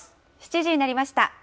７時になりました。